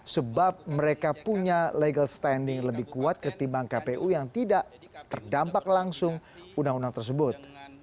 sebab mereka punya legal standing lebih kuat ketimbang kpu yang tidak terdampak langsung undang undang tersebut